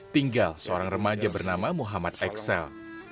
tinggal seorang remaja bernama muhammad excel